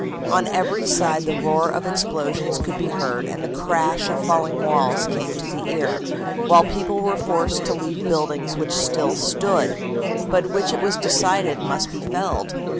On every side the roar of explosions could be heard, and the crash of falling walls came to the ear, while people were forced to leave buildings which still stood, but which it was decided must be felled.